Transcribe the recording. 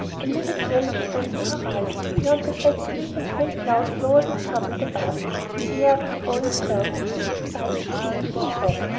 A livid yellow stained the horizon beyond the factories and gray clouds lowered and tumbled above. The air was growing chill and Chris decided to finish his job.